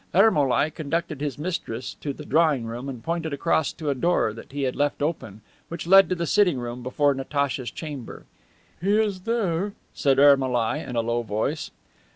Ermolai conducted his mistress to the drawing room and pointed across to a door that he had left open, which led to the sitting room before Natacha's chamber. "He is there," said Ermolai in a low voice.